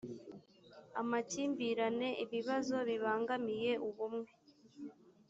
amakimbirane ibibazo bibangamiye ubumwe